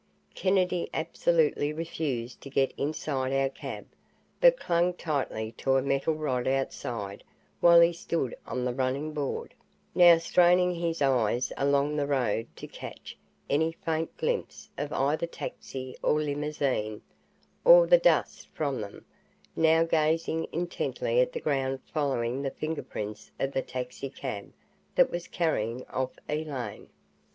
Kennedy absolutely refused to get inside our cab, but clung tightly to a metal rod outside while he stood on the running board now straining his eyes along the road to catch any faint glimpse of either taxi or limousine, or the dust from them, now gazing intently at the ground following the finger prints of the taxicab that was carrying off Elaine.